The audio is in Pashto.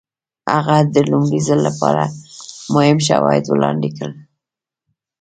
هغه د لومړي ځل لپاره مهم شواهد وړاندې کړل.